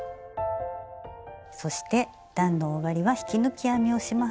そして段の終わりは引き抜き編みをします。